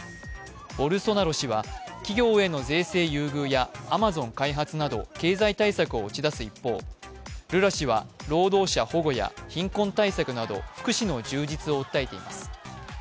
ボルソナロ氏は、企業への税制優遇やアマゾン開発など経済対策を打ち出す一方、ルラ氏は労働者保護や貧困対策など福祉の充実を訴えています。